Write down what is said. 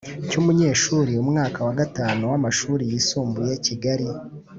Cy umunyeshuri umwaka wa gatanu w amashuri yisumbuye kigali